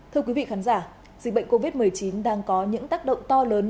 thưa quý vị khán giả dịch bệnh covid một mươi chín đang có những tác động to lớn